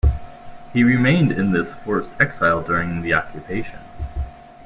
He remained in this forced exile during the occupation.